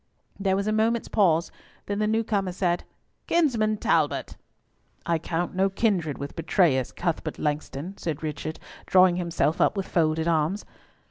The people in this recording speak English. There was a moment's pause, then the new comer said "Kinsman Talbot—" "I count no kindred with betrayers, Cuthbert Langston," said Richard, drawing himself up with folded arms.